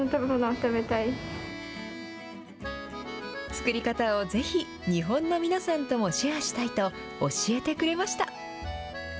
作り方をぜひ日本の皆さんともシェアしたいと、教えてくれました。